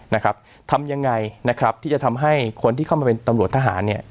นะครับทำยังไงนะครับที่จะทำให้คนที่เข้ามาเป็นตำรวจทหารเนี่ย